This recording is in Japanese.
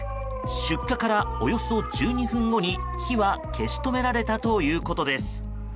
出火から、およそ１２分後に火は消し止められたということです。